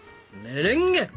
メレンゲ！